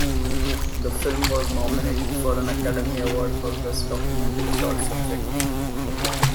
The film was nominated for an Academy Award for Best Documentary Short Subject.